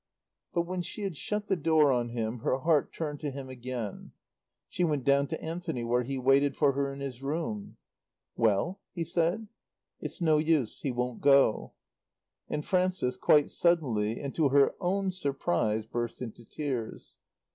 But when she had shut the door on him her heart turned to him again. She went down to Anthony where he waited for her in his room. "Well?" he said. "It's no use. He won't go." And Frances, quite suddenly and to her own surprise, burst into tears.